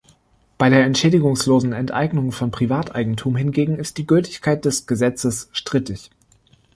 Bei der entschädigungslosen Enteignung von Privateigentum hingegen ist die Gültigkeit des Gesetzes strittig.